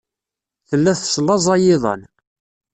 Tella teslaẓay iḍan.